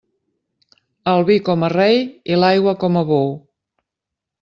El vi com a rei i l'aigua com a bou.